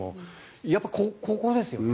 やっぱりここですよ